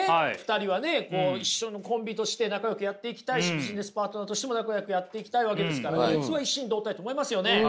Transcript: ２人はねこう一緒のコンビとして仲よくやっていきたいしビジネスパートナーとしても仲よくやっていきたいわけですから普通は一心同体と思いますよね。